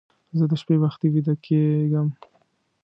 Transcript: زه د شپې وختي ویده کېږم